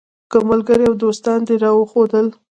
که ملګري او دوستان دې راوښودل.